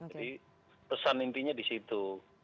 jadi pesan intinya di situ